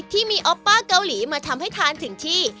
ที่มีออปป้าเกาหลีมาทำให้ทานถึงที่